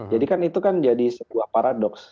jadi kan itu kan jadi sebuah paradoks